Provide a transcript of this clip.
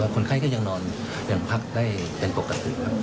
คนไข้แก่ยังนอนหักอย่างพักก็ได้เป็นขบกับถึง